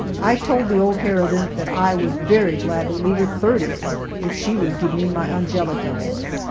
I told the old harridan that I would very gladly leave her thirty if she would give me my Angelica.